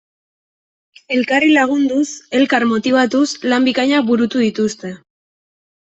Elkarri lagunduz, elkar motibatuz, lan bikainak burutu dituzte.